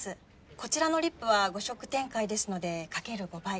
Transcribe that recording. こちらのリップは５色展開ですので掛ける５倍。